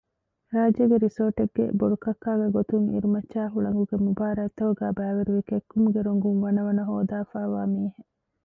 ރާއްޖޭގެ ރިސޯޓެއްގެ ބޮޑުކައްކާގެ ގޮތުން އިރުމައްޗާއި ހުޅަނގުގެ މުބާރާތްތަކުގައި ބައިވެރިވެ ކެއްކުމުގެ ރޮނގުން ވަނަވަނަ ހޯދައިފައިވާ މީހެއް